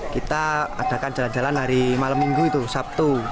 kita adakan jalan jalan hari malam minggu itu sabtu